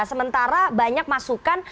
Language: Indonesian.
sementara banyak masukan